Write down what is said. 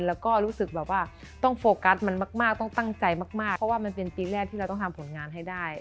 แล้วก็รู้สึกแบบว่าต้องโฟกัสมันมากต้องตั้งใจมากเพราะว่ามันเป็นปีแรกที่เราต้องทำผลงานให้ได้